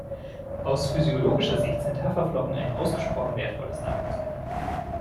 Aus physiologischer Sicht sind Haferflocken ein ausgesprochen wertvolles Nahrungsmittel.